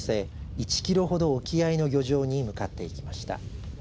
１キロほど沖合の漁場に向かっていきました。